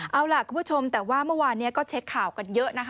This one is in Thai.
เอาล่ะคุณผู้ชมแต่ว่าเมื่อวานนี้ก็เช็คข่าวกันเยอะนะคะ